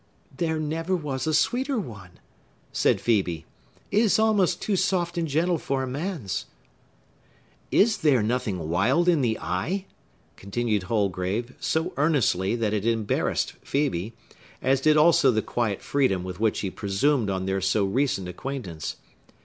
"There never was a sweeter one," said Phœbe. "It is almost too soft and gentle for a man's." "Is there nothing wild in the eye?" continued Holgrave, so earnestly that it embarrassed Phœbe, as did also the quiet freedom with which he presumed on their so recent acquaintance.